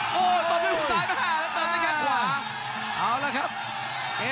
โอ้ตอบในสูงซ้ายเพจแล้วตบในแขกขวา